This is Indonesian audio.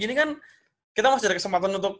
ini kan kita masih ada kesempatan untuk